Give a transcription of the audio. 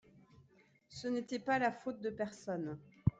Ce n’était pas la faute de personne.